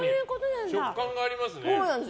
食感がありますね。